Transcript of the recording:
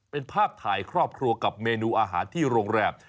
เป็นภาพถ่ายครอบครัวกับเมนูอาหารที่โรงแรม